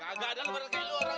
ntar gue kagak ikut lebaran